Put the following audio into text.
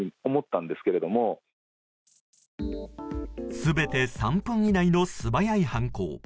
全て３分以内の素早い犯行。